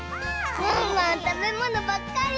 ワンワンたべものばっかり！